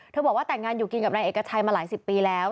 บอกว่าแต่งงานอยู่กินกับนายเอกชัยมาหลายสิบปีแล้ว